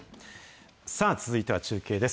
続いては中継です。